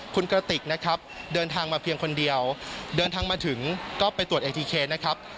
คุณกระติกนะครับเดินทางมาเพียงคนเดียวเดินทางมาถึงก็ไปตรวจเอทีเคนะครับ